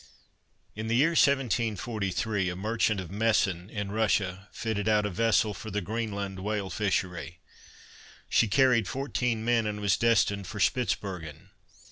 In the year 1743, a merchant of Mesen, in Russia, fitted out a vessel for the Greenland whale fishery. She carried fourteen men, and was destined for Spitzbergen.